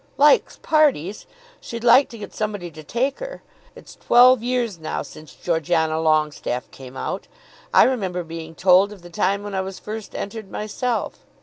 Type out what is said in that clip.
"Likes parties! She'd like to get somebody to take her. It's twelve years now since Georgiana Longestaffe came out. I remember being told of the time when I was first entered myself.